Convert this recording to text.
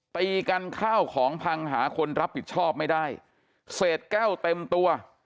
ตีกันข้าวของพังหาคนรับผิดชอบไม่ได้เศษแก้วเต็มตัว